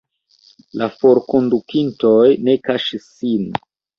La forkondukintoj ne kaŝis sin.